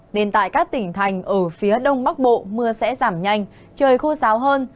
nên tại các tỉnh thành ở phía đông bắc bộ mưa sẽ giảm nhanh trời khô ráo hơn